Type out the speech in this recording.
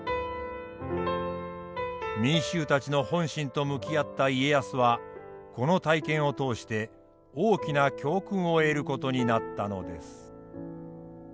民衆たちの本心と向き合った家康はこの体験を通して大きな教訓を得ることになったのです。